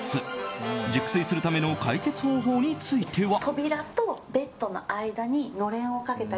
熟睡するための解決方法については。